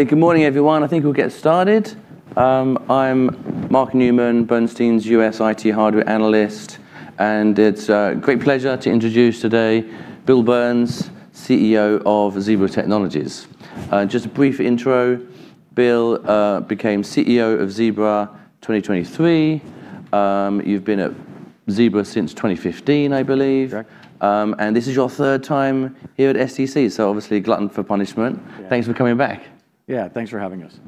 Okay, good morning, everyone. I think we'll get started. I'm Mark Newman, Bernstein's US IT Hardware Analyst, and it's a great pleasure to introduce today Bill Burns, CEO of Zebra Technologies. Just a brief intro, Bill became CEO of Zebra 2023. You've been at Zebra since 2015, I believe. Correct. This is your third time here at SDC, obviously glutton for punishment. Yeah. Thanks for coming back. Yeah, thanks for having us.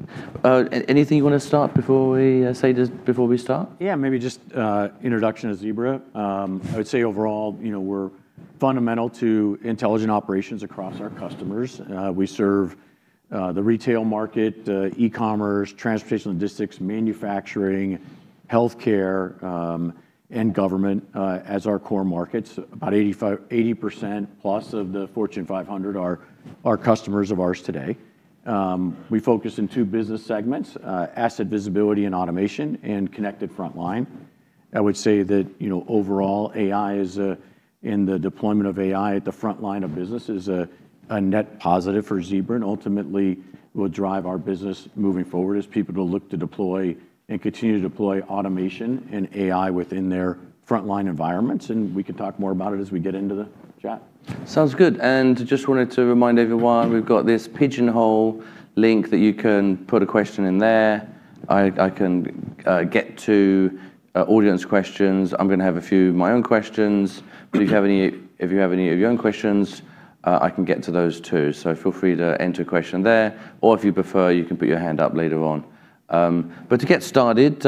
Anything you want to say before we start? Yeah, maybe just introduction of Zebra. I would say overall, we're fundamental to intelligent operations across our customers. We serve the retail market, e-commerce, transportation logistics, manufacturing, healthcare, and government as our core markets. About 80%+ of the Fortune 500 are customers of ours today. We focus in two business segments, asset visibility and automation, and connected frontline. I would say that overall, AI and the deployment of AI at the frontline of business is a net positive for Zebra and ultimately will drive our business moving forward as people look to deploy and continue to deploy automation and AI within their frontline environments. We can talk more about it as we get into the chat. Sounds good. Just wanted to remind everyone, we've got this Pigeonhole link that you can put a question in there. I can get to audience questions. I'm going to have a few of my own questions. If you have any of your own questions, I can get to those, too. Feel free to enter a question there, or if you prefer, you can put your hand up later on. To get started,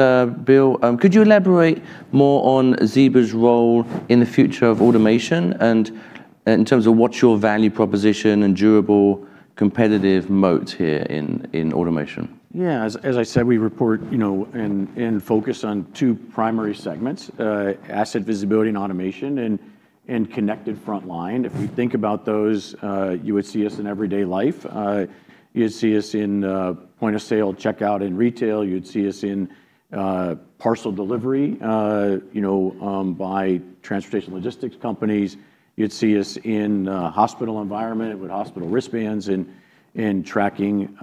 Bill, could you elaborate more on Zebra's role in the future of automation, and in terms of what's your value proposition and durable competitive moat here in automation? As I said, we report and focus on two primary segments, Asset Intelligence & Tracking, and Enterprise Visibility & Mobility. If you think about those, you would see us in everyday life. You'd see us in point-of-sale checkout in retail, you'd see us in parcel delivery by transportation logistics companies. You'd see us in a hospital environment with hospital wristbands and tracking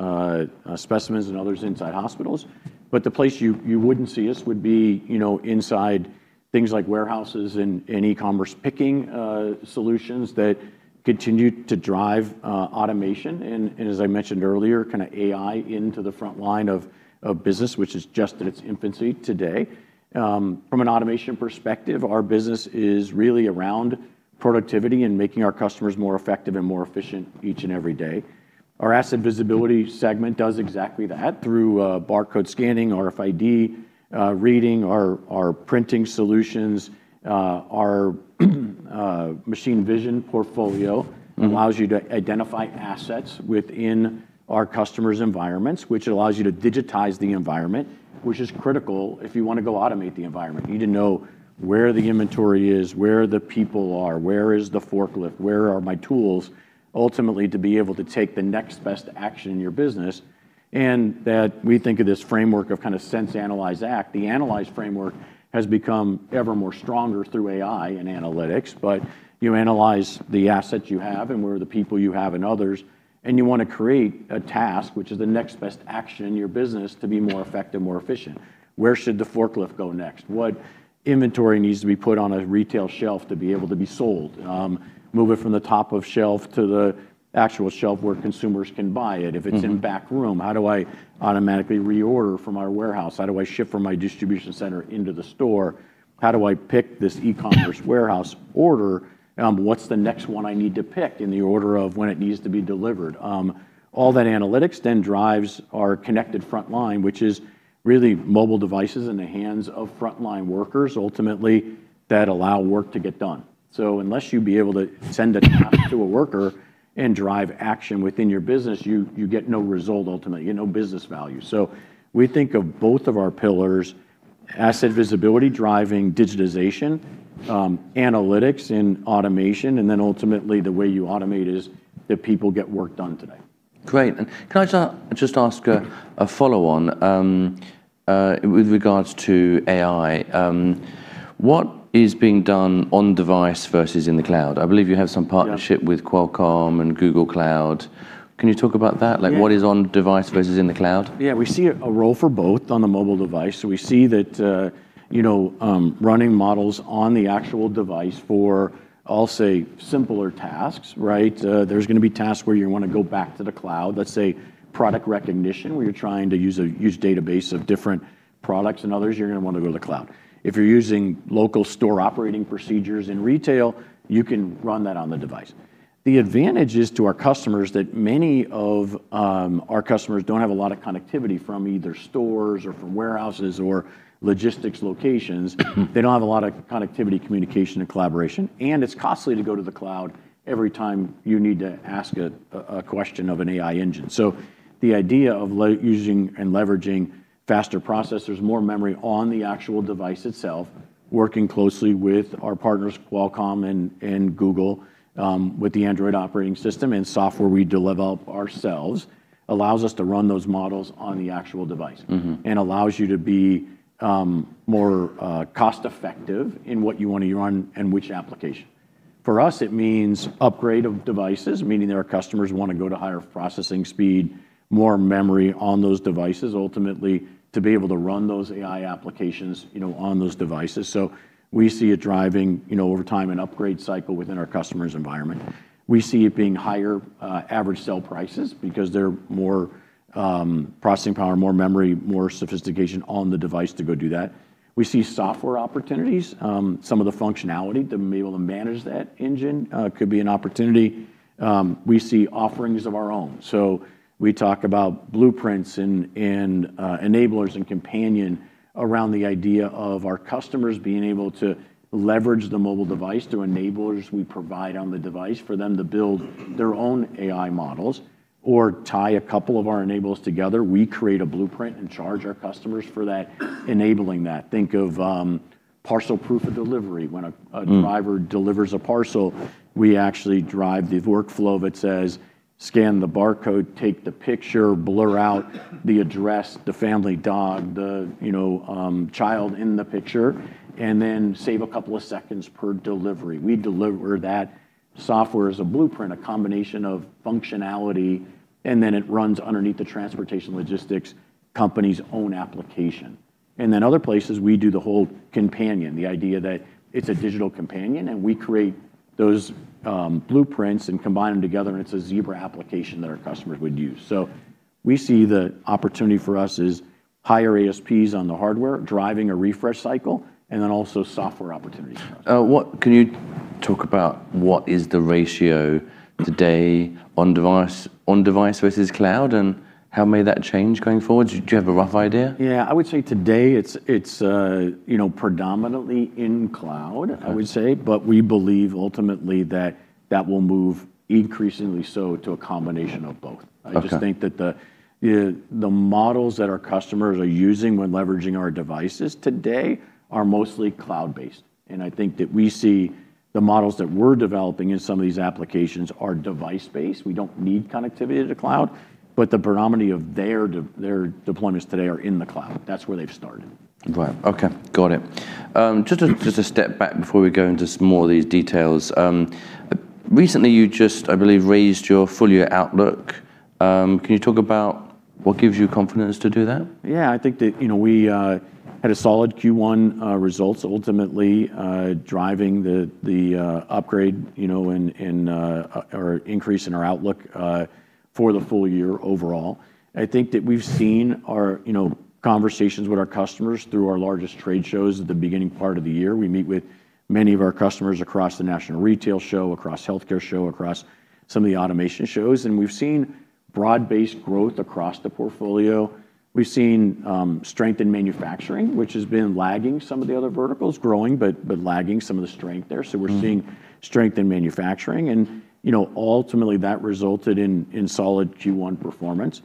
specimens and others inside hospitals. The place you wouldn't see us would be inside things like warehouses and e-commerce picking solutions that continue to drive automation and, as I mentioned earlier, AI into the frontline of business, which is just in its infancy today. From an automation perspective, our business is really around productivity and making our customers more effective and more efficient each and every day. Our Asset Intelligence & Tracking segment does exactly that through barcode scanning, RFID reading, our printing solutions. Our machine vision portfolio allows you to identify assets within our customers' environments, which allows you to digitize the environment, which is critical if you want to go automate the environment. You need to know where the inventory is, where the people are, where is the forklift, where are my tools, ultimately, to be able to take the next best action in your business. That we think of this framework of sense, analyze, act. The analyze framework has become ever more stronger through AI and analytics. You analyze the assets you have and where the people you have and others, and you want to create a task, which is the next best action in your business to be more effective, more efficient. Where should the forklift go next? What inventory needs to be put on a retail shelf to be able to be sold? Move it from the top of shelf to the actual shelf where consumers can buy it. If it's in back room, how do I automatically reorder from our warehouse? How do I ship from my distribution center into the store? How do I pick this e-commerce warehouse order? What's the next one I need to pick in the order of when it needs to be delivered? All that analytics drives our connected frontline, which is really mobile devices in the hands of frontline workers, ultimately, that allow work to get done. Unless you'd be able to send a task to a worker and drive action within your business, you get no result ultimately, you get no business value. We think of both of our pillars, asset visibility, driving digitization, analytics, and automation, ultimately the way you automate is that people get work done today. Great. Can I just ask a follow-on with regards to AI. What is being done on device versus in the cloud? Yeah With Qualcomm and Google Cloud. Can you talk about that? Yeah. Like what is on device versus in the cloud? Yeah, we see a role for both on the mobile device. We see that running models on the actual device for, I'll say, simpler tasks, right? There's going to be tasks where you want to go back to the cloud. Let's say product recognition, where you're trying to use a database of different products and others. You're going to want to go to the cloud. If you're using local store operating procedures in retail, you can run that on the device. The advantage is to our customers that many of our customers don't have a lot of connectivity from either stores or from warehouses or logistics locations. They don't have a lot of connectivity, communication, and collaboration, and it's costly to go to the cloud every time you need to ask a question of an AI engine. The idea of using and leveraging faster processors, more memory on the actual device itself, working closely with our partners, Qualcomm and Google, with the Android operating system and software we develop ourselves, allows us to run those models on the actual device. Allows you to be more cost-effective in what you want to run and which application. For us, it means upgrade of devices, meaning that our customers want to go to higher processing speed, more memory on those devices, ultimately, to be able to run those AI applications on those devices. We see it driving, over time, an upgrade cycle within our customers' environment. We see it being higher average sell prices because they're more processing power, more memory, more sophistication on the device to go do that. We see software opportunities. Some of the functionality to be able to manage that engine could be an opportunity. We see offerings of our own. We talk about Blueprints and Enablers and Companion around the idea of our customers being able to leverage the mobile device through Enablers we provide on the device for them to build their own AI models or tie a couple of our Enablers together. We create a Blueprint and charge our customers for that, enabling that. Think of parcel proof of delivery. When a driver delivers a parcel, we actually drive the workflow that says, "Scan the barcode, take the picture, blur out the address, the family dog, the child in the picture, and then save a couple of seconds per delivery." We deliver that software as a Blueprint, a combination of functionality, and then it runs underneath the transportation logistics company's own application. Other places, we do the whole companion, the idea that it's a digital companion. We create those blueprints and combine them together. It's a Zebra application that our customers would use. We see the opportunity for us is higher ASPs on the hardware, driving a refresh cycle. Also software opportunities for us. Can you talk about what is the ratio today on device versus cloud, and how may that change going forward? Do you have a rough idea? Yeah. I would say today it's predominantly in cloud, I would say. We believe ultimately that that will move increasingly so to a combination of both. Okay. I just think that the models that our customers are using when leveraging our devices today are mostly cloud-based. I think that we see the models that we're developing in some of these applications are device-based. We don't need connectivity to the cloud. The predominantly of their deployments today are in the cloud. That's where they've started. Right. Okay. Got it. Just to step back before we go into some more of these details. Recently, you just, I believe, raised your full-year outlook. Can you talk about what gives you confidence to do that? Yeah. I think that we had a solid Q1 results ultimately driving the upgrade or increase in our outlook for the full year overall. I think that we've seen our conversations with our customers through our largest trade shows at the beginning part of the year. We meet with many of our customers across the national retail show, across healthcare show, across some of the automation shows, and we've seen broad-based growth across the portfolio. We've seen strength in manufacturing, which has been lagging some of the other verticals, growing but lagging some of the strength there. We're seeing strength in manufacturing and ultimately that resulted in solid Q1 performance.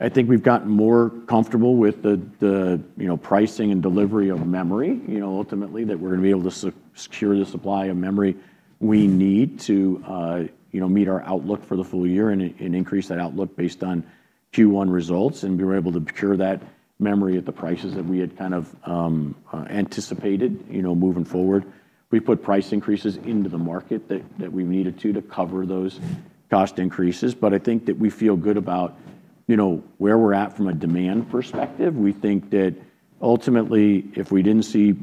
I think we've gotten more comfortable with the pricing and delivery of memory ultimately that we're going to be able to secure the supply of memory we need to meet our outlook for the full year and increase that outlook based on Q1 results. We were able to procure that memory at the prices that we had kind of anticipated moving forward. We put price increases into the market that we needed to cover those cost increases. I think that we feel good about where we're at from a demand perspective. We think that ultimately, if we didn't see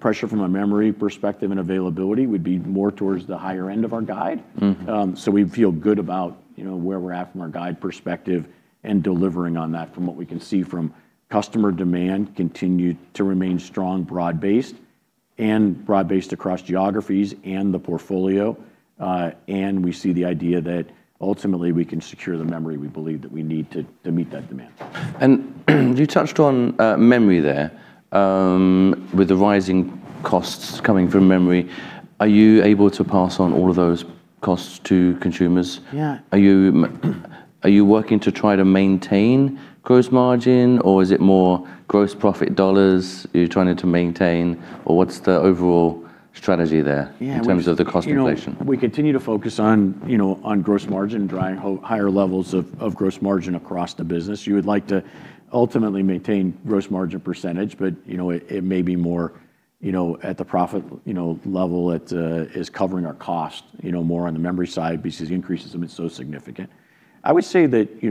pressure from a memory perspective and availability, we'd be more towards the higher end of our guide. We feel good about where we're at from our guide perspective and delivering on that from what we can see from customer demand continued to remain strong, broad-based, and broad-based across geographies and the portfolio. We see the idea that ultimately we can secure the memory we believe that we need to meet that demand. You touched on memory there. With the rising costs coming from memory, are you able to pass on all of those costs to consumers? Yeah. Are you working to try to maintain gross margin, or is it more gross profit dollars you're trying to maintain? Or what's the overall strategy there? Yeah. in terms of the cost inflation? We continue to focus on gross margin, driving higher levels of gross margin across the business. You would like to ultimately maintain gross margin percentage, but it may be more at the profit level that is covering our cost more on the memory side because the increases have been so significant. I would say that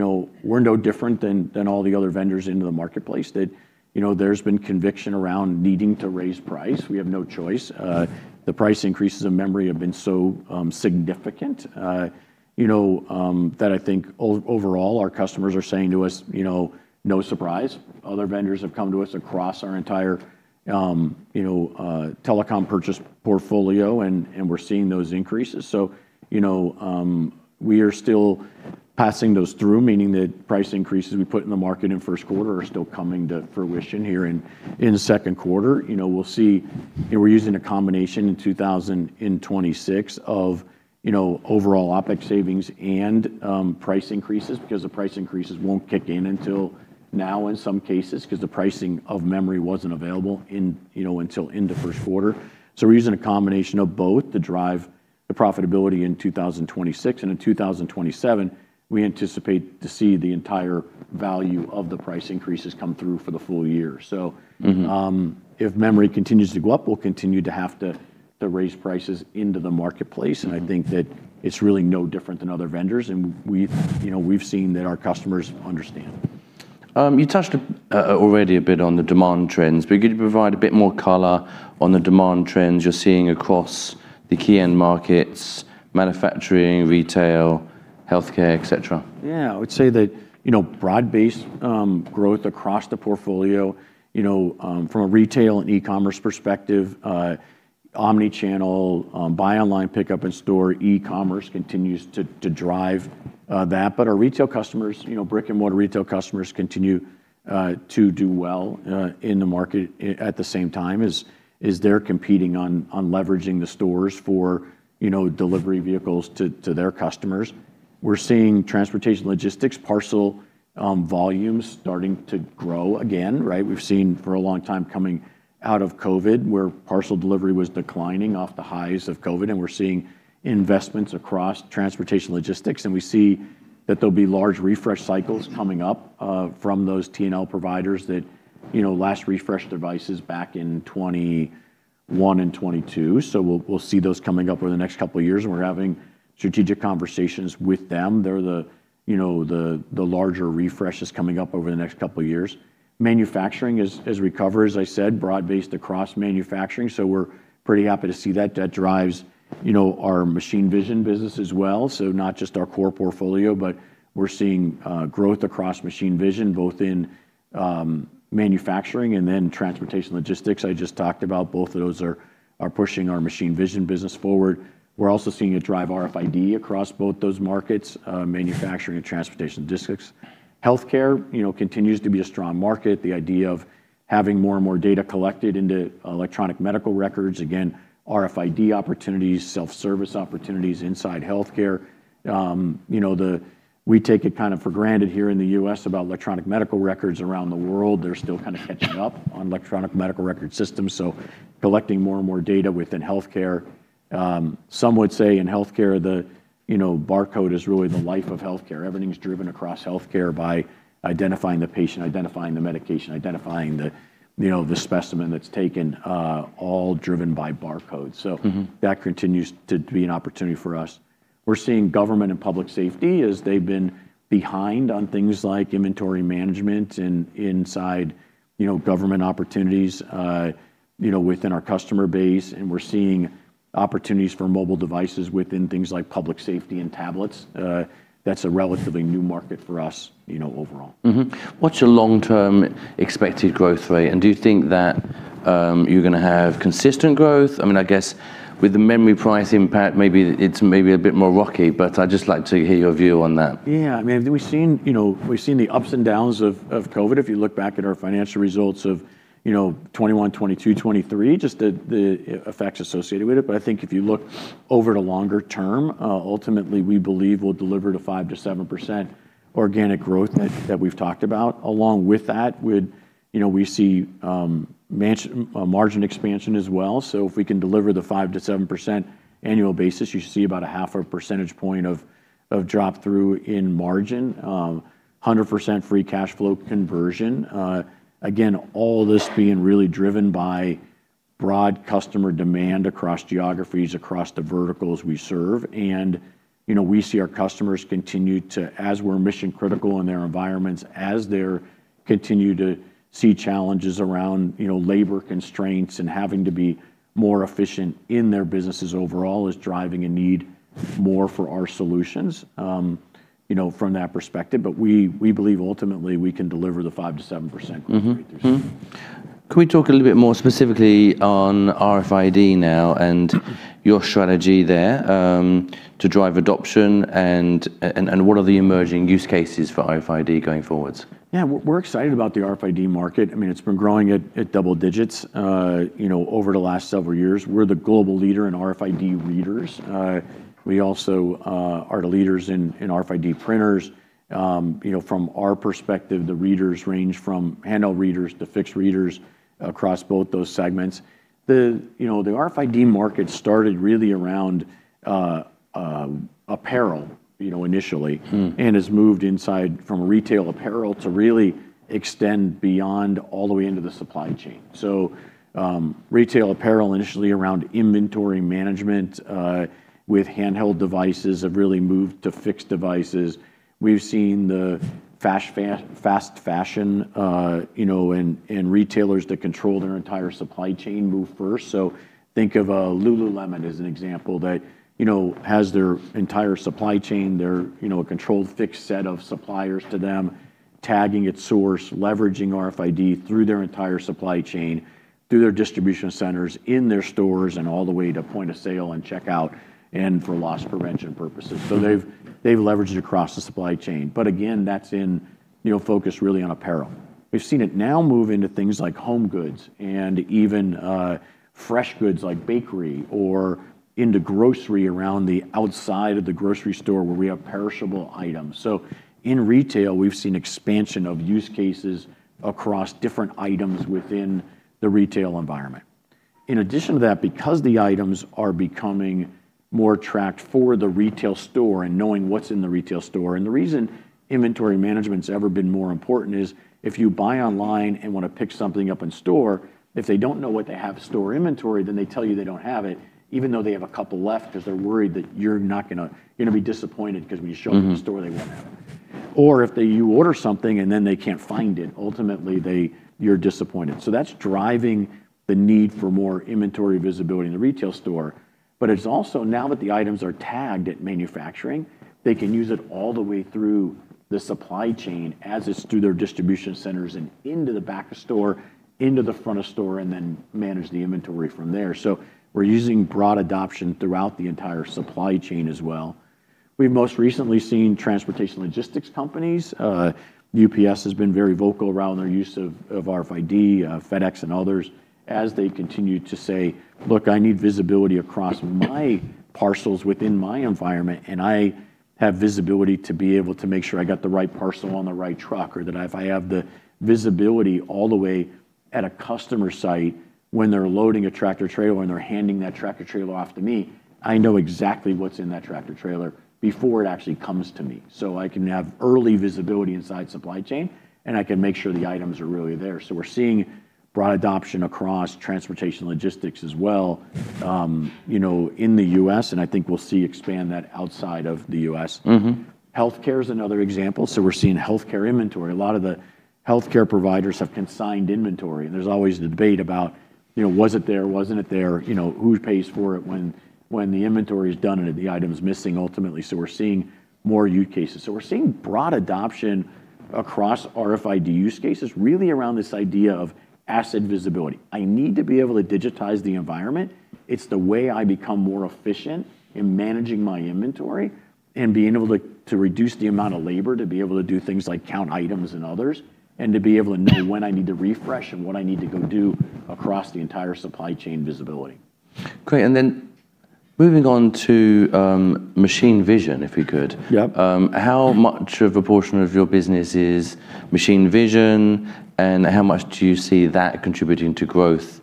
we're no different than all the other vendors into the marketplace, that there's been conviction around needing to raise price. We have no choice. The price increases in memory have been so significant that I think overall our customers are saying to us, "No surprise." Other vendors have come to us across our entire telecom purchase portfolio, and we're seeing those increases. We are still passing those through, meaning the price increases we put in the market in first quarter are still coming to fruition here in the second quarter. We're using a combination in 2026 of overall OpEx savings and price increases because the price increases won't kick in until now in some cases, because the pricing of memory wasn't available until in the first quarter. We're using a combination of both to drive the profitability in 2026. In 2027, we anticipate to see the entire value of the price increases come through for the full year, if memory continues to go up, we'll continue to have to raise prices into the marketplace. I think that it's really no different than other vendors, and we've seen that our customers understand. You touched already a bit on the demand trends, but could you provide a bit more color on the demand trends you're seeing across the key end markets, manufacturing, retail, healthcare, et cetera? Yeah. I would say that broad-based growth across the portfolio from a retail and e-commerce perspective, omni-channel, buy online, pickup in store, e-commerce continues to drive that. Our brick-and-mortar retail customers continue to do well in the market at the same time as they're competing on leveraging the stores for delivery vehicles to their customers. We're seeing transportation logistics parcel volumes starting to grow again. We've seen for a long time coming out of COVID, where parcel delivery was declining off the highs of COVID, and we're seeing investments across transportation logistics, and we see that there'll be large refresh cycles coming up from those T&L providers that last refreshed devices back in 2021 and 2022. We'll see those coming up over the next two years, and we're having strategic conversations with them. They're the larger refreshes coming up over the next two years. Manufacturing has recovered, as I said, broad-based across manufacturing, so we're pretty happy to see that. That drives our machine vision business as well. Not just our core portfolio, but we're seeing growth across machine vision, both in manufacturing and then transportation logistics I just talked about. Both of those are pushing our machine vision business forward. We're also seeing it drive RFID across both those markets, manufacturing and transportation logistics. Healthcare continues to be a strong market. The idea of having more and more data collected into electronic medical records, again, RFID opportunities, self-service opportunities inside healthcare. We take it kind of for granted here in the U.S. about electronic medical records. Around the world, they're still kind of catching up on electronic medical record systems. Collecting more and more data within healthcare. Some would say in healthcare, the barcode is really the life of healthcare. Everything's driven across healthcare by identifying the patient, identifying the medication, identifying the specimen that's taken, all driven by barcodes. That continues to be an opportunity for us. We're seeing government and public safety, as they've been behind on things like inventory management inside government opportunities within our customer base, and we're seeing opportunities for mobile devices within things like public safety and tablets. That's a relatively new market for us overall. What's your long-term expected growth rate, and do you think that you're going to have consistent growth? I guess with the memory price impact, maybe it's a bit more rocky, but I'd just like to hear your view on that. Yeah. We've seen the ups and downs of COVID, if you look back at our financial results of 2021, 2022, 2023, just the effects associated with it. I think if you look over the longer term, ultimately we believe we'll deliver the 5%-7% organic growth that we've talked about. Along with that, we see margin expansion as well. If we can deliver the 5%-7% annual basis, you should see about a half a percentage point of drop-through in margin, 100% free cash flow conversion. Again, all this being really driven by broad customer demand across geographies, across the verticals we serve. We see our customers continue to, as we're mission-critical in their environments, as they continue to see challenges around labor constraints and having to be more efficient in their businesses overall is driving a need more for our solutions from that perspective. We believe ultimately we can deliver the 5%-7% growth rate there. Can we talk a little bit more specifically on RFID now and your strategy there to drive adoption, and what are the emerging use cases for RFID going forwards? Yeah. We're excited about the RFID market. It's been growing at double digits over the last several years. We're the global leader in RFID readers. We also are the leaders in RFID printers. From our perspective, the readers range from handheld readers to fixed readers across both those segments. The RFID market started really around apparel initially. Has moved inside from retail apparel to really extend beyond all the way into the supply chain. Retail apparel initially around inventory management with handheld devices have really moved to fixed devices. We've seen the fast fashion and retailers that control their entire supply chain move first. Think of Lululemon as an example that has their entire supply chain, their controlled fixed set of suppliers to them, tagging at source, leveraging RFID through their entire supply chain, through their distribution centers, in their stores, and all the way to point of sale and checkout, and for loss prevention purposes. They've leveraged it across the supply chain. Again, that's focused really on apparel. We've seen it now move into things like home goods and even fresh goods like bakery or into grocery around the outside of the grocery store where we have perishable items. In retail, we've seen expansion of use cases across different items within the retail environment. In addition to that, because the items are becoming more tracked for the retail store and knowing what's in the retail store. The reason inventory management's ever been more important is if you buy online and want to pick something up in store, if they don't know what they have store inventory, then they tell you they don't have it, even though they have a couple left, because they're worried that you're going to be disappointed because when you show up at the store, they won't have it. If you order something, and then they can't find it, ultimately, you're disappointed. That's driving the need for more inventory visibility in the retail store. It's also now that the items are tagged at manufacturing, they can use it all the way through the supply chain as it's through their distribution centers and into the back of store, into the front of store, and then manage the inventory from there. We're using broad adoption throughout the entire supply chain as well. We've most recently seen transportation logistics companies. UPS has been very vocal around their use of RFID, FedEx, and others, as they continue to say, "Look, I need visibility across my parcels within my environment, and I have visibility to be able to make sure I got the right parcel on the right truck, or that if I have the visibility all the way at a customer site when they're loading a tractor-trailer, and they're handing that tractor-trailer off to me, I know exactly what's in that tractor-trailer before it actually comes to me. So I can have early visibility inside supply chain, and I can make sure the items are really there." We're seeing broad adoption across transportation logistics as well in the U.S., and I think we'll see expand that outside of the U.S. Healthcare is another example. We're seeing healthcare inventory. A lot of the healthcare providers have consigned inventory, and there's always a debate about was it there, wasn't it there? Who pays for it when the inventory is done and the item's missing ultimately. We're seeing more use cases. We're seeing broad adoption across RFID use cases, really around this idea of asset visibility. I need to be able to digitize the environment. It's the way I become more efficient in managing my inventory and being able to reduce the amount of labor, to be able to do things like count items and others, and to be able to know when I need to refresh and what I need to go do across the entire supply chain visibility. Great, moving on to machine vision, if we could. Yep. How much of a portion of your business is machine vision, and how much do you see that contributing to growth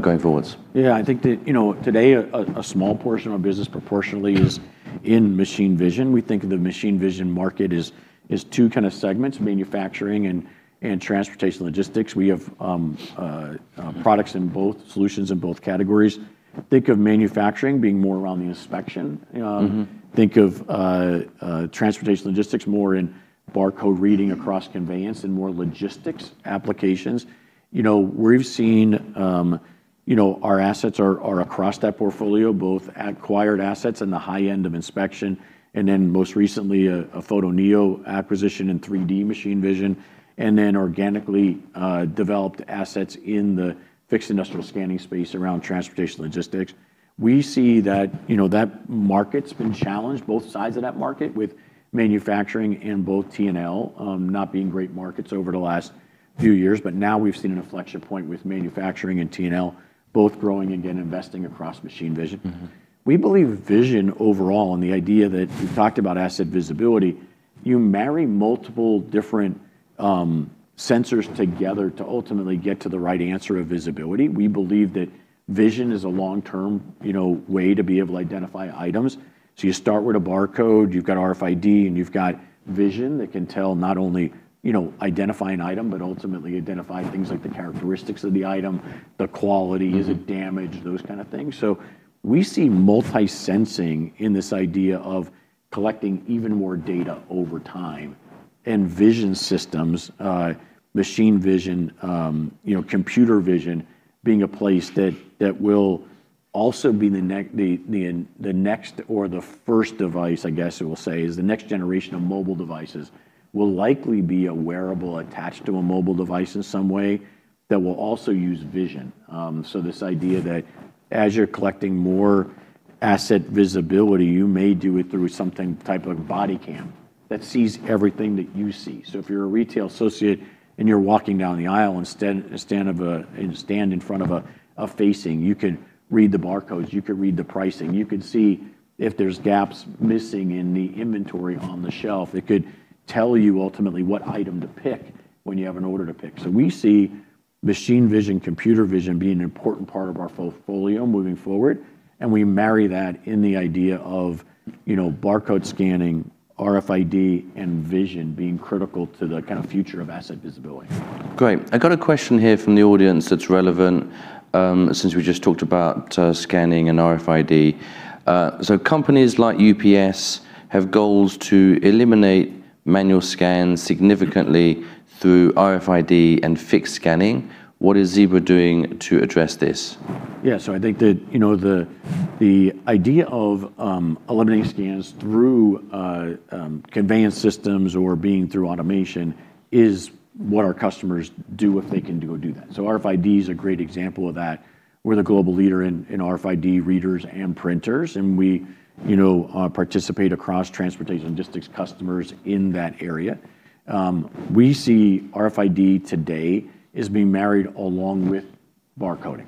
going forward? Yeah, I think that today a small portion of business proportionally is in machine vision. We think of the machine vision market as two kind of segments, manufacturing and transportation logistics. We have products in both solutions, in both categories. Think of manufacturing being more around the inspection. Think of transportation logistics more in barcode reading across conveyance and more logistics applications. We've seen our assets are across that portfolio, both acquired assets in the high end of inspection, and then most recently, a Photoneo acquisition in 3D machine vision, and then organically developed assets in the fixed industrial scanning space around transportation logistics. We see that that market's been challenged, both sides of that market, with manufacturing and both T&L not being great markets over the last few years. Now we've seen an inflection point with manufacturing and T&L both growing again, investing across machine vision. We believe vision overall, and the idea that we've talked about asset visibility, you marry multiple different sensors together to ultimately get to the right answer of visibility. We believe that vision is a long-term way to be able to identify items. You start with a barcode, you've got RFID, and you've got vision that can tell not only identify an item, but ultimately identify things like the characteristics of the item, the quality, is it damaged, those kind of things. We see multi-sensing in this idea of collecting even more data over time, and vision systems, machine vision, computer vision being a place that will also be the next or the first device, I guess we'll say, is the next generation of mobile devices will likely be a wearable attached to a mobile device in some way that will also use vision. This idea that as you're collecting more asset visibility, you may do it through some type of body cam that sees everything that you see. If you're a retail associate and you're walking down the aisle and stand in front of a facing, you could read the barcodes, you could read the pricing. You could see if there's gaps missing in the inventory on the shelf. It could tell you ultimately what item to pick when you have an order to pick. We see machine vision, computer vision, being an important part of our portfolio moving forward, and we marry that in the idea of barcode scanning, RFID, and vision being critical to the kind of future of asset visibility. Great. I got a question here from the audience that's relevant, since we just talked about scanning and RFID. Companies like UPS have goals to eliminate manual scans significantly through RFID and fixed scanning. What is Zebra doing to address this? Yeah. I think that the idea of eliminating scans through conveyance systems or being through automation is what our customers do if they can go do that. RFID is a great example of that. We're the global leader in RFID readers and printers, and we participate across transportation logistics customers in that area. We see RFID today as being married along with barcoding.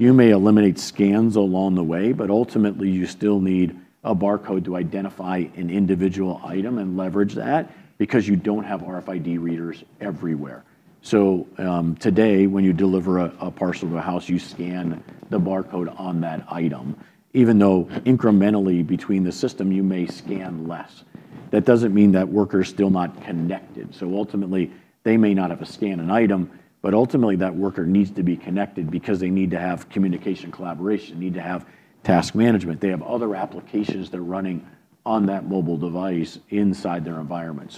You may eliminate scans along the way, but ultimately, you still need a barcode to identify an individual item and leverage that because you don't have RFID readers everywhere. Today, when you deliver a parcel to a house, you scan the barcode on that item. Even though incrementally between the system, you may scan less. That doesn't mean that worker's still not connected. Ultimately, they may not have to scan an item, but ultimately, that worker needs to be connected because they need to have communication, collaboration, need to have task management. They have other applications they're running on that mobile device inside their environment.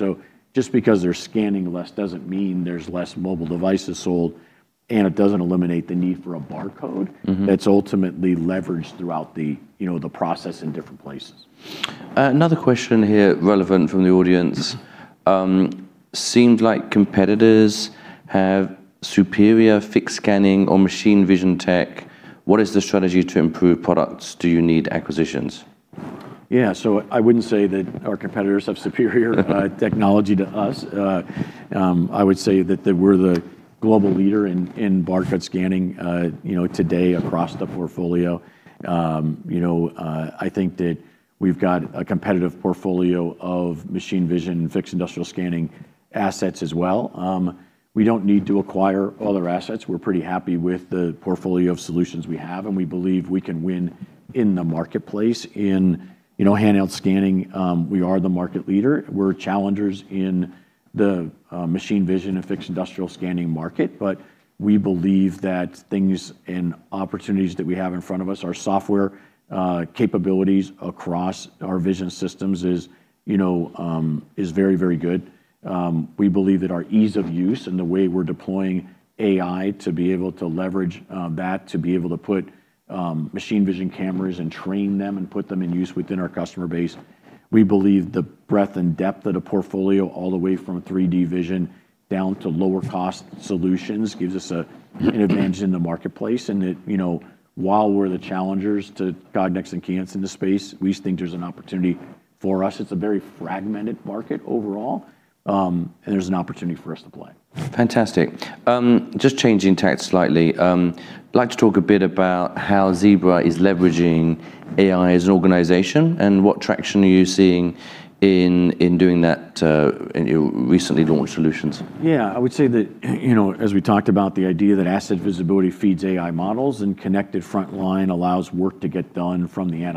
Just because they're scanning less doesn't mean there's less mobile devices sold, and it doesn't eliminate the need for a barcode. That's ultimately leveraged throughout the process in different places. Another question here relevant from the audience. "Seemed like competitors have superior fixed scanning or machine vision tech. What is the strategy to improve products? Do you need acquisitions? I wouldn't say that our competitors have superior technology to us. I would say that we're the global leader in barcode scanning today across the portfolio. I think that we've got a competitive portfolio of machine vision, fixed industrial scanning assets as well. We don't need to acquire other assets. We're pretty happy with the portfolio of solutions we have, and we believe we can win in the marketplace. In handheld scanning, we are the market leader. We're challengers in the machine vision and fixed industrial scanning market, but we believe that things and opportunities that we have in front of us, our software capabilities across our vision systems is very good. We believe that our ease of use and the way we're deploying AI to be able to leverage that, to be able to put machine vision cameras and train them, and put them in use within our customer base. We believe the breadth and depth of the portfolio, all the way from 3D vision down to lower-cost solutions, gives us an advantage in the marketplace. That while we're the challengers to Cognex and Keyence in the space, we think there's an opportunity for us. It's a very fragmented market overall, and there's an opportunity for us to play. Fantastic. Just changing tack slightly. I'd like to talk a bit about how Zebra is leveraging AI as an organization. What traction are you seeing in doing that in your recently launched solutions? Yeah. I would say that, as we talked about the idea that asset visibility feeds AI models, and connected frontline allows work to get done from AI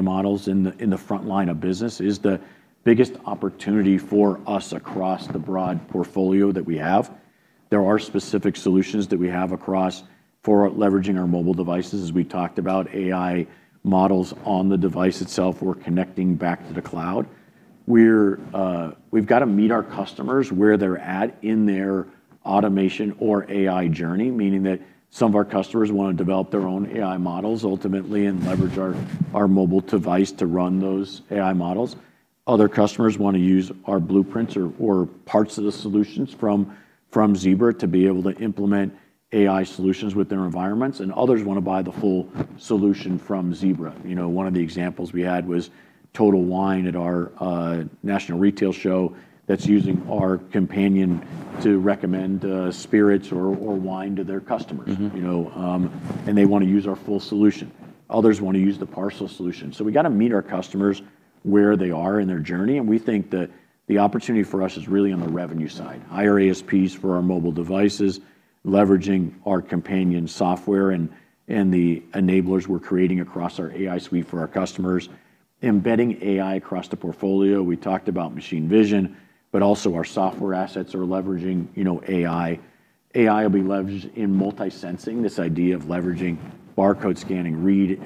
models in the frontline of business, is the biggest opportunity for us across the broad portfolio that we have. There are specific solutions that we have across for leveraging our mobile devices, as we talked about AI models on the device itself, we're connecting back to the cloud. We've got to meet our customers where they're at in their automation or AI journey, meaning that some of our customers want to develop their own AI models ultimately, and leverage our mobile device to run those AI models. Other customers want to use our Blueprints or parts of the solutions from Zebra to be able to implement AI solutions with their environments, and others want to buy the full solution from Zebra. One of the examples we had was Total Wine at our national retail show that's using our Companion to recommend spirits or wine to their customers. They want to use our full solution. Others want to use the parcel solution. We got to meet our customers where they are in their journey, and we think that the opportunity for us is really on the revenue side. Higher ASPs for our mobile devices, leveraging our Zebra Companion, and the Frontline AI Enablers we're creating across our AI suite for our customers. Embedding AI across the portfolio. We talked about machine vision, but also our software assets are leveraging AI. AI will be leveraged in multi-sensing, this idea of leveraging barcode scanning read,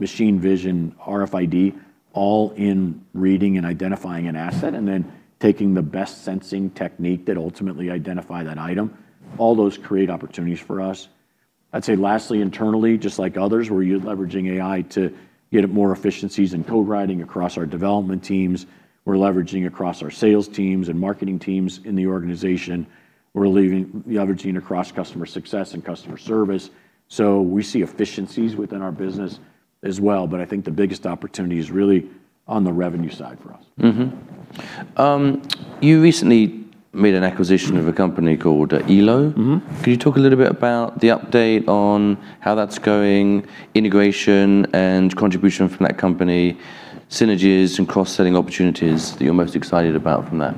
machine vision, RFID, all in reading and identifying an asset, and then taking the best sensing technique that ultimately identify that item. All those create opportunities for us. I'd say lastly, internally, just like others, we're leveraging AI to get more efficiencies in code writing across our development teams. We're leveraging across our sales teams and marketing teams in the organization. We're leveraging across customer success and customer service. We see efficiencies within our business as well, but I think the biggest opportunity is really on the revenue side for us. Mm-hmm. You recently made an acquisition of a company called Elo. Can you talk a little bit about the update on how that's going, integration and contribution from that company, synergies and cross-selling opportunities that you're most excited about from that?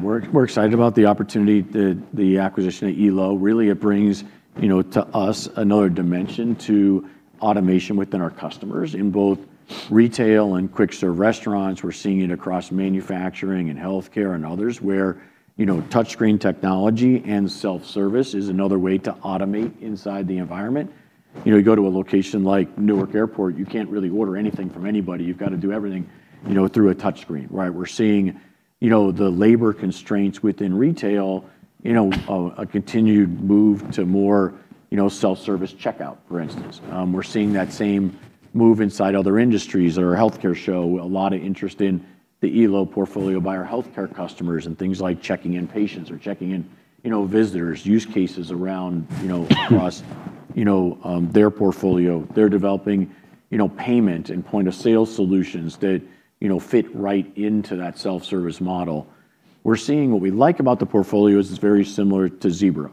We're excited about the opportunity, the acquisition of Elo. It brings to us another dimension to automation within our customers in both retail and quick-serve restaurants. We're seeing it across manufacturing and healthcare and others, where touchscreen technology and self-service is another way to automate inside the environment. You go to a location like Newark Airport, you can't really order anything from anybody. You've got to do everything through a touchscreen, right? We're seeing the labor constraints within retail, a continued move to more self-service checkout, for instance. We're seeing that same move inside other industries. At our healthcare show, a lot of interest in the Elo portfolio by our healthcare customers and things like checking in patients or checking in visitors. Use cases across their portfolio. They're developing payment and point-of-sale solutions that fit right into that self-service model. What we like about the portfolio is it's very similar to Zebra.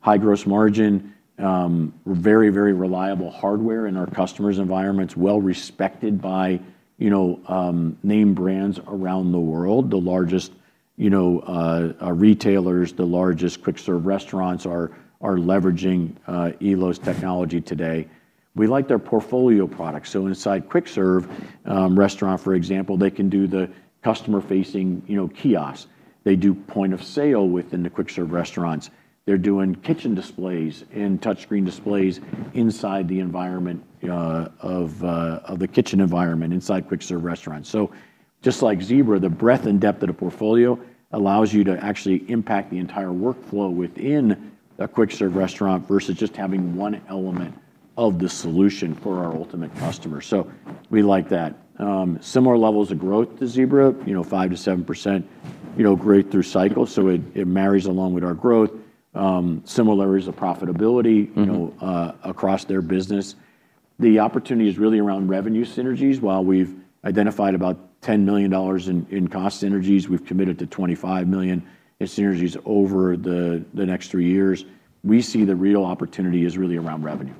High gross margin. Very reliable hardware in our customers' environments. Well-respected by name brands around the world. The largest retailers, the largest quick-serve restaurants are leveraging Elo's technology today. We like their portfolio products. Inside quick serve restaurant, for example, they can do the customer-facing kiosk. They do point of sale within the quick serve restaurants. They're doing kitchen displays and touchscreen displays inside the environment of the kitchen environment inside quick serve restaurants. Just like Zebra, the breadth and depth of the portfolio allows you to actually impact the entire workflow within a quick serve restaurant versus just having one element of the solution for our ultimate customer. We like that. Similar levels of growth to Zebra, 5%-7% great through cycle, so it marries along with our growth. Similarities of profitability across their business. The opportunity is really around revenue synergies. While we've identified about $10 million in cost synergies, we've committed to $25 million in synergies over the next three years. We see the real opportunity is really around revenue,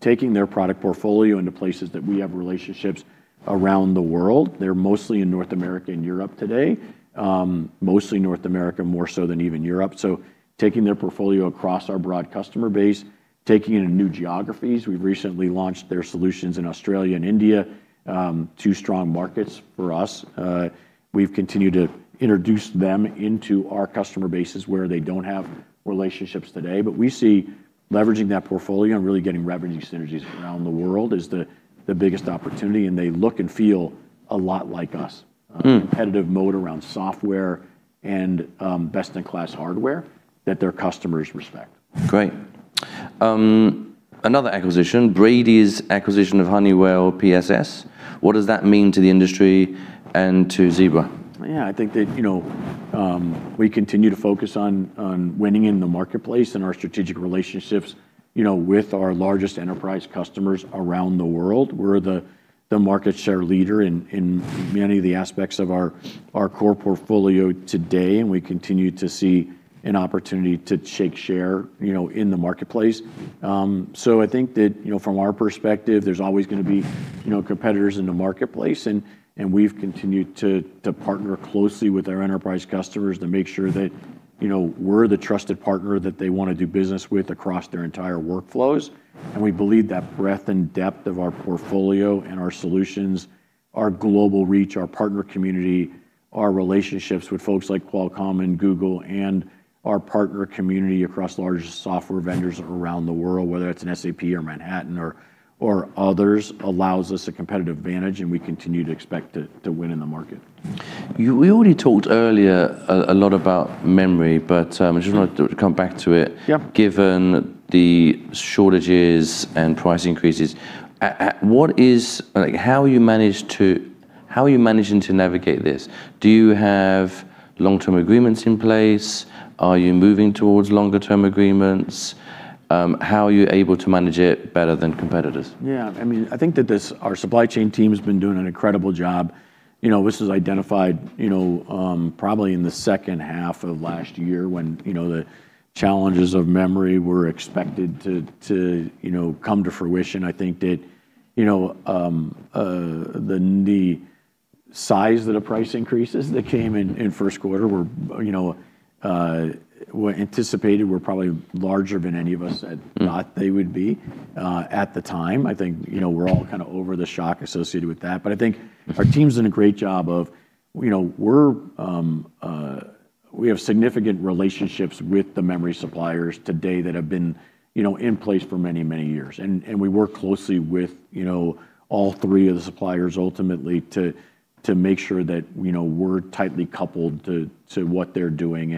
taking their product portfolio into places that we have relationships around the world. They're mostly in North America and Europe today. Mostly North America, more so than even Europe. Taking their portfolio across our broad customer base, taking it in new geographies. We recently launched their solutions in Australia and India, two strong markets for us. We've continued to introduce them into our customer bases where they don't have relationships today. We see leveraging that portfolio and really getting revenue synergies around the world is the biggest opportunity, and they look and feel a lot like us. Competitive moat around software and best-in-class hardware that their customers respect. Great. Another acquisition, Brady's acquisition of Honeywell PSS. What does that mean to the industry and to Zebra? I think that we continue to focus on winning in the marketplace and our strategic relationships with our largest enterprise customers around the world. We're the market share leader in many of the aspects of our core portfolio today, and we continue to see an opportunity to take share in the marketplace. I think that from our perspective, there's always going to be competitors in the marketplace, and we've continued to partner closely with our enterprise customers to make sure that we're the trusted partner that they want to do business with across their entire workflows. We believe that breadth and depth of our portfolio and our solutions, our global reach, our partner community, our relationships with folks like Qualcomm and Google, and our partner community across large software vendors around the world, whether it's an SAP or Manhattan or others, allows us a competitive advantage, and we continue to expect to win in the market. We already talked earlier a lot about memory, but I just wanted to come back to it. Yep Given the shortages and price increases, how are you managing to navigate this? Do you have long-term agreements in place? Are you moving towards longer-term agreements? How are you able to manage it better than competitors? Yeah, I think that our supply chain team has been doing an incredible job. This was identified probably in the second half of last year when the challenges of memory were expected to come to fruition. I think that the size of the price increases that came in first quarter were anticipated, were probably larger than any of us had thought they would be at the time. I think we're all kind of over the shock associated with that. I think our team's doing a great job. We have significant relationships with the memory suppliers today that have been in place for many, many years. We work closely with all three of the suppliers ultimately to make sure that we're tightly coupled to what they're doing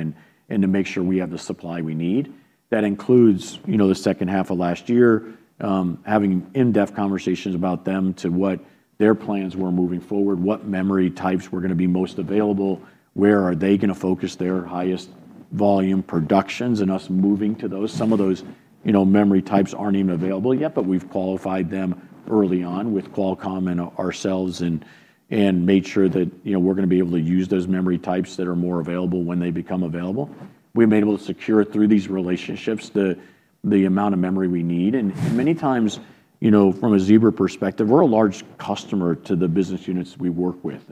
and to make sure we have the supply we need. That includes the second half of last year, having in-depth conversations about them to what their plans were moving forward, what memory types were going to be most available, where are they going to focus their highest volume productions, and us moving to those. Some of those memory types aren't even available yet, but we've qualified them early on with Qualcomm and ourselves and made sure that we're going to be able to use those memory types that are more available when they become available. We've been able to secure through these relationships the amount of memory we need. Many times, from a Zebra perspective, we're a large customer to the business units we work with.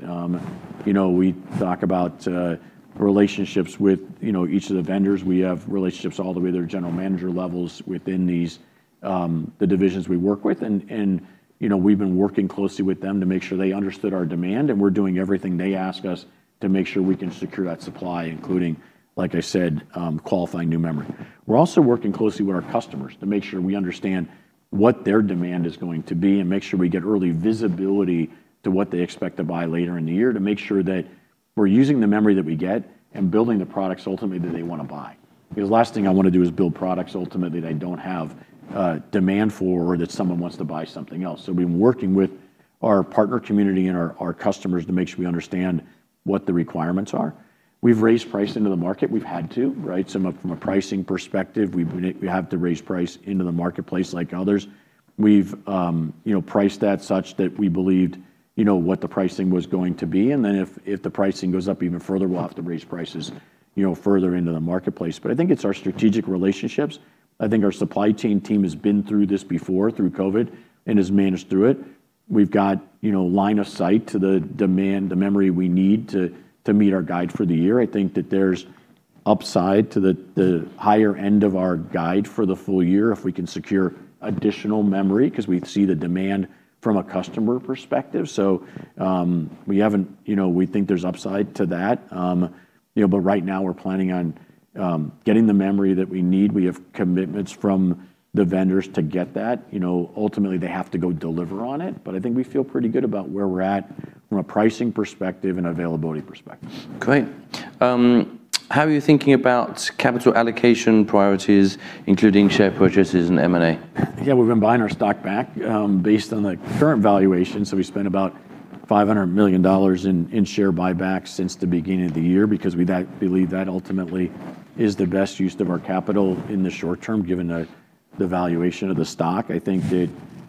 We talk about relationships with each of the vendors. We have relationships all the way to their general manager levels within the divisions we work with. We've been working closely with them to make sure they understood our demand, and we're doing everything they ask us to make sure we can secure that supply, including, like I said, qualifying new memory. We're also working closely with our customers to make sure we understand what their demand is going to be and make sure we get early visibility to what they expect to buy later in the year to make sure that we're using the memory that we get and building the products ultimately that they want to buy. The last thing I want to do is build products ultimately that don't have demand for or that someone wants to buy something else. We've been working with our partner community and our customers to make sure we understand what the requirements are. We've raised price into the market. We've had to, right? From a pricing perspective, we have to raise price into the marketplace like others. We've priced that such that we believed what the pricing was going to be, and then if the pricing goes up even further, we'll have to raise prices further into the marketplace. I think it's our strategic relationships. I think our supply chain team has been through this before, through COVID, and has managed through it. We've got line of sight to the demand, the memory we need to meet our guide for the year. I think that there's upside to the higher end of our guide for the full year, if we can secure additional memory, because we see the demand from a customer perspective. We think there's upside to that. Right now, we're planning on getting the memory that we need. We have commitments from the vendors to get that. Ultimately, they have to go deliver on it. I think we feel pretty good about where we're at from a pricing perspective and availability perspective. Great. How are you thinking about capital allocation priorities, including share purchases and M&A? We've been buying our stock back based on the current valuation. We spent about $500 million in share buybacks since the beginning of the year, because we believe that ultimately is the best use of our capital in the short term, given the valuation of the stock. I think that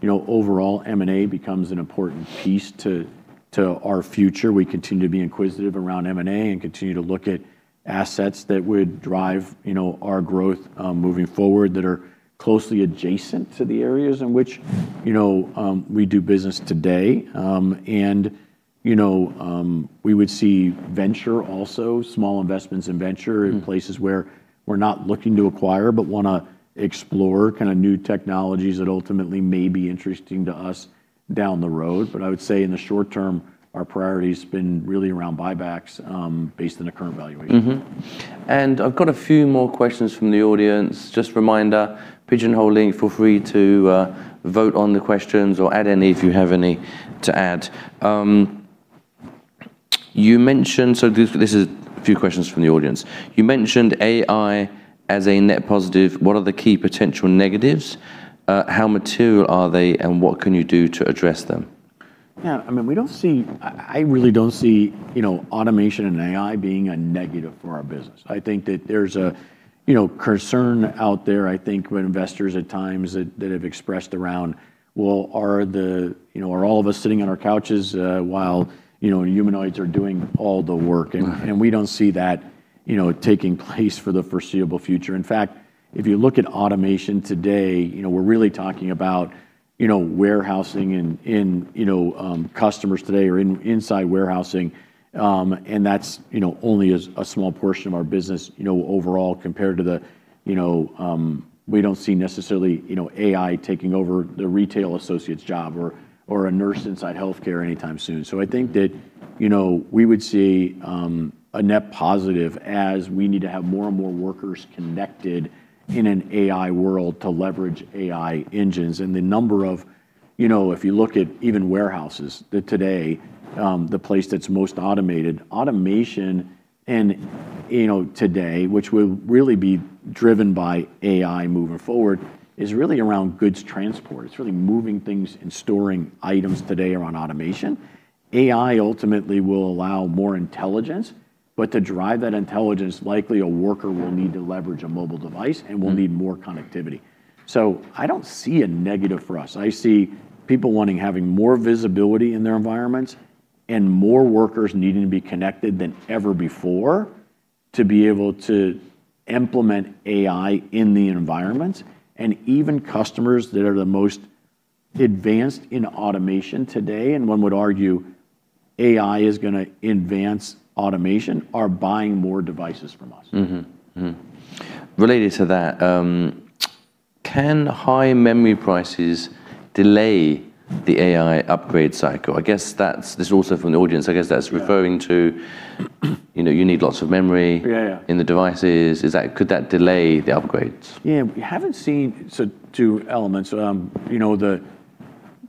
overall, M&A becomes an important piece to our future. We continue to be inquisitive around M&A and continue to look at assets that would drive our growth moving forward that are closely adjacent to the areas in which we do business today. We would see venture also, small investments in venture in places where we're not looking to acquire but want to explore new technologies that ultimately may be interesting to us down the road. I would say in the short term, our priority's been really around buybacks based on the current valuation. I've got a few more questions from the audience. Just a reminder, Pigeonhole Live, feel free to vote on the questions or add any if you have any to add. This is a few questions from the audience. You mentioned AI as a net positive. What are the key potential negatives? How mature are they, and what can you do to address them? I really don't see automation and AI being a negative for our business. I think that there's a concern out there, I think with investors at times that have expressed around, well, are all of us sitting on our couches while humanoids are doing all the work? Right. We don't see that taking place for the foreseeable future. In fact, if you look at automation today, we're really talking about warehousing and customers today are inside warehousing, and that's only a small portion of our business overall. We don't see necessarily AI taking over the retail associate's job or a nurse inside healthcare anytime soon. I think that we would see a net positive as we need to have more and more workers connected in an AI world to leverage AI engines. If you looked at even warehouses, that today the place that's most automated, automation today, which will really be driven by AI moving forward, is really around goods transport. It's really moving things and storing items today around automation. AI ultimately will allow more intelligence, but to drive that intelligence, likely a worker will need to leverage a mobile device and will need more connectivity. I don't see a negative for us. I see people wanting having more visibility in their environments and more workers needing to be connected than ever before to be able to implement AI in the environment. Even customers that are the most advanced in automation today, and one would argue AI is going to advance automation, are buying more devices from us. Related to that, can high memory prices delay the AI upgrade cycle? This is also from the audience. I guess that's referring to you need lots of memory. Yeah in the devices. Could that delay the upgrades? Yeah, we haven't seen two elements.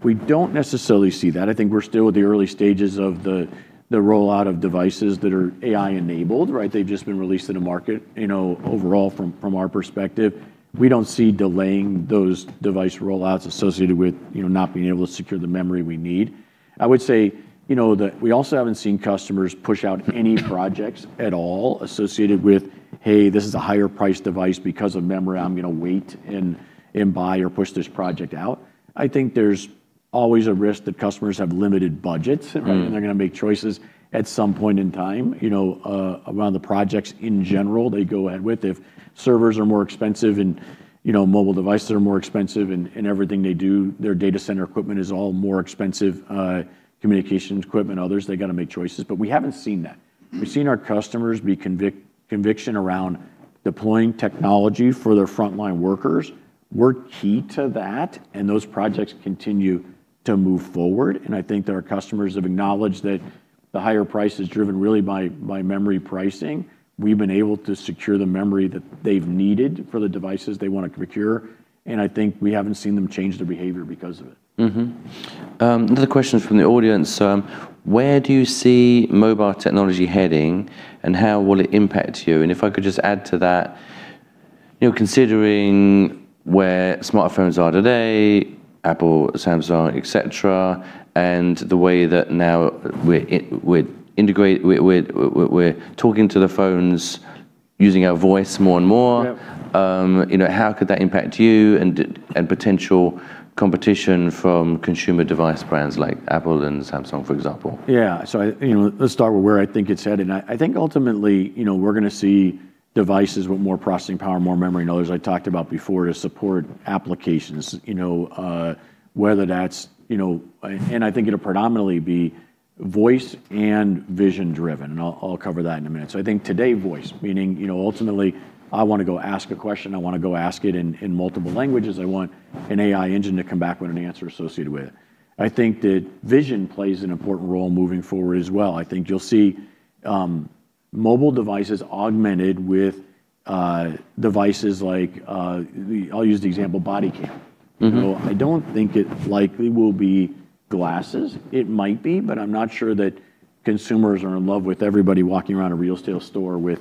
We don't necessarily see that. I think we're still at the early stages of the rollout of devices that are AI-enabled, right? They've just been released in the market. From our perspective, we don't see delaying those device rollouts associated with not being able to secure the memory we need. I would say that we also haven't seen customers push out any projects at all associated with, "Hey, this is a higher priced device because of memory. I'm going to wait and buy or push this project out." I think there's always a risk that customers have limited budgets. They're going to make choices at some point in time around the projects in general they go ahead with. If servers are more expensive and mobile devices are more expensive and everything they do, their data center equipment is all more expensive, communications equipment, others, they've got to make choices. We haven't seen that. We've seen our customers be conviction around deploying technology for their frontline workers. We're key to that, and those projects continue to move forward. I think that our customers have acknowledged that the higher price is driven really by memory pricing. We've been able to secure the memory that they've needed for the devices they want to procure, and I think we haven't seen them change their behavior because of it. Another question from the audience. Where do you see mobile technology heading, and how will it impact you? If I could just add to that, considering where smartphones are today, Apple, Samsung, et cetera, and the way that now we're talking to the phones using our voice more and more. Yep How could that impact you and potential competition from consumer device brands like Apple and Samsung, for example? Yeah. Let's start with where I think it's heading. I think ultimately, we're going to see devices with more processing power, more memory, and others I talked about before to support applications. I think it'll predominantly be voice and vision-driven, and I'll cover that in a minute. I think today, voice, meaning ultimately I want to go ask a question, I want to go ask it in multiple languages. I want an AI engine to come back with an answer associated with it. I think that vision plays an important role moving forward as well. I think you'll see mobile devices augmented with devices like, I'll use the example body cam. I don't think it likely will be glasses. It might be. I'm not sure that consumers are in love with everybody walking around a retail store with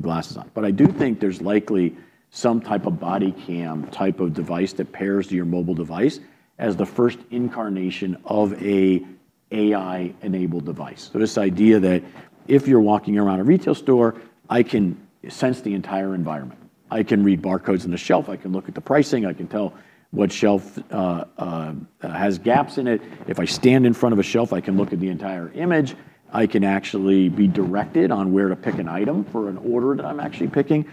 glasses on. I do think there's likely some type of body cam type of device that pairs to your mobile device as the first incarnation of an AI-enabled device. This idea that if you're walking around a retail store, I can sense the entire environment. I can read barcodes on the shelf. I can look at the pricing. I can tell what shelf has gaps in it. If I stand in front of a shelf, I can look at the entire image. I can actually be directed on where to pick an item for an order that I'm actually picking.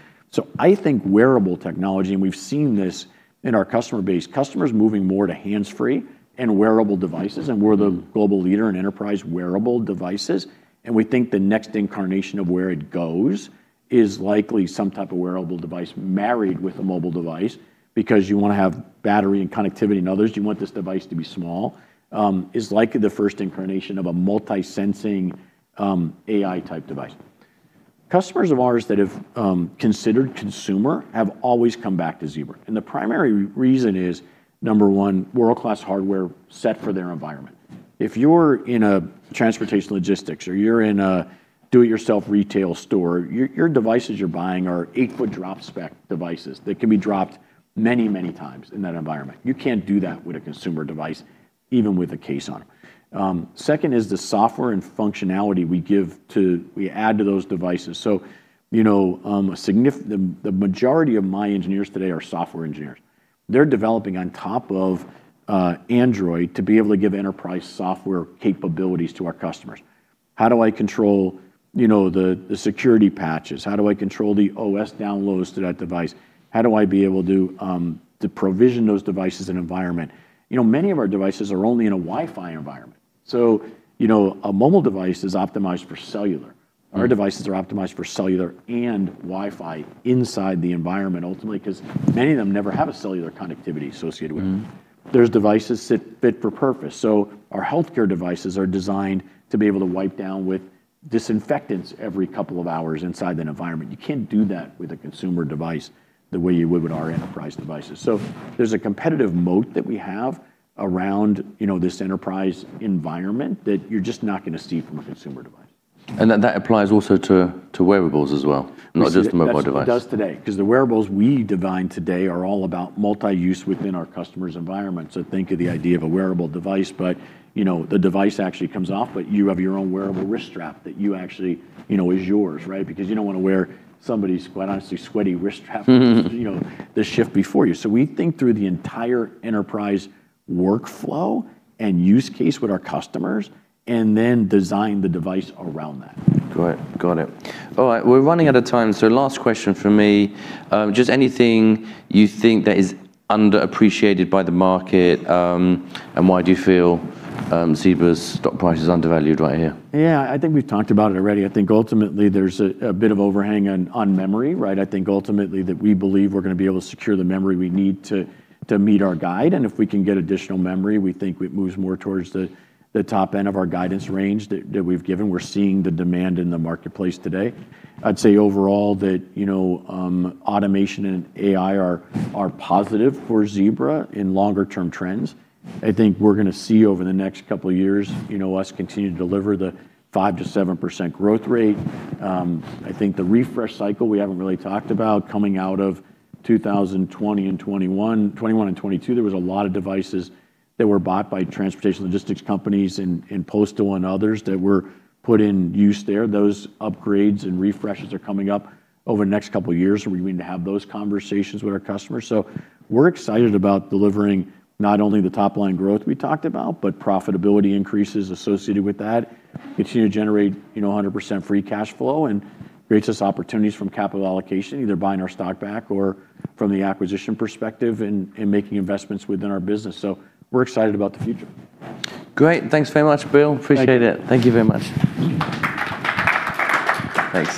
I think wearable technology, and we've seen this in our customer base, customers moving more to hands-free and wearable devices, and we're the global leader in enterprise wearable devices. We think the next incarnation of where it goes is likely some type of wearable device married with a mobile device, because you want to have battery and connectivity and others. You want this device to be small, is likely the first incarnation of a multi-sensing, AI-type device. Customers of ours that have considered consumer have always come back to Zebra. The primary reason is, number one, world-class hardware set for their environment. If you're in transportation logistics, or you're in a do-it-yourself retail store, your devices you're buying are eight-foot drop spec devices that can be dropped many times in that environment. You can't do that with a consumer device, even with a case on it. Second is the software and functionality we add to those devices. The majority of my engineers today are software engineers. They're developing on top of Android to be able to give enterprise software capabilities to our customers. How do I control the security patches? How do I control the OS downloads to that device? How do I be able to provision those devices and environment? Many of our devices are only in a Wi-Fi environment. A mobile device is optimized for cellular. Our devices are optimized for cellular and Wi-Fi inside the environment, ultimately because many of them never have a cellular connectivity associated with it. There's devices fit for purpose. Our healthcare devices are designed to be able to wipe down with disinfectants every couple of hours inside that environment. You can't do that with a consumer device the way you would with our enterprise devices. There's a competitive moat that we have around this enterprise environment that you're just not going to see from a consumer device. That applies also to wearables as well, not just the mobile device. It does today, because the wearables we design today are all about multi-use within our customer's environment. Think of the idea of a wearable device, but the device actually comes off, but you have your own wearable wrist strap that is yours, right? You don't want to wear somebody's, quite honestly, sweaty wrist strap, the shift before you. We think through the entire enterprise workflow and use case with our customers and then design the device around that. Great. Got it. All right. We're running out of time, so last question from me. Just anything you think that is underappreciated by the market, and why do you feel Zebra's stock price is undervalued right here? Yeah, I think we've talked about it already. I think ultimately there's a bit of overhang on memory, right? I think ultimately that we believe we're going to be able to secure the memory we need to meet our guide. If we can get additional memory, we think it moves more towards the top end of our guidance range that we've given. We're seeing the demand in the marketplace today. I'd say overall that automation and AI are positive for Zebra in longer-term trends. I think we're going to see over the next couple of years us continue to deliver the 5%-7% growth rate. I think the refresh cycle we haven't really talked about coming out of 2020 and 2021. 2021 and 2022, there was a lot of devices that were bought by transportation logistics companies in postal and others that were put in use there. Those upgrades and refreshes are coming up over the next couple of years, where we need to have those conversations with our customers. We're excited about delivering not only the top-line growth we talked about, but profitability increases associated with that. Continue to generate 100% free cash flow and creates us opportunities from capital allocation, either buying our stock back or from the acquisition perspective in making investments within our business. We're excited about the future. Great. Thanks very much, Bill. Appreciate it. Thank you. Thank you very much. Thanks.